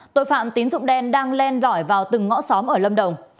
tội phạm tín dụng đen đang len rỏi vào từng ngõ xóm ở lâm đồng